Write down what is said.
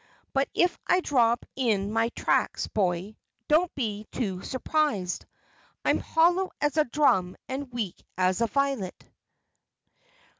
"But if I drop in my tracks, boy, don't be too surprised. I'm hollow as a drum and weak as a violet."